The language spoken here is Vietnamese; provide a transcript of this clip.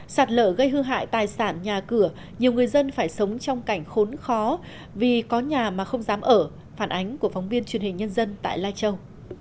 sạt lở gây hư hại tài sản nhà cửa nhiều người dân phải sống trong cảnh khốn khó vì có nhà mà không dám ở phản ánh của phóng viên truyền hình nhân dân tại lai châu